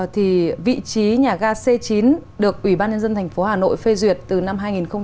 thì vị trí nhà ga c chín được ủy ban nhân dân thành phố hà nội phê duyệt từ năm hai nghìn tám